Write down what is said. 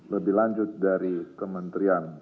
lebih lanjut dari kementerian